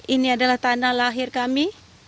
ini adalah tanah lahir kami